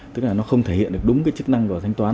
tức là nó không thể hiện được đúng cái chức năng của thanh toán